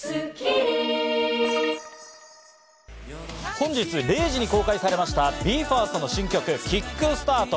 本日０時に公開されましたＢＥ：ＦＩＲＳＴの新曲『ＫｉｃｋＳｔａｒｔ』。